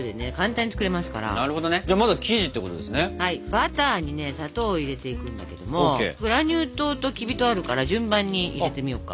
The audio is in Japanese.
バターに砂糖を入れていくんだけどもグラニュー糖ときび糖あるから順番に入れてみようか。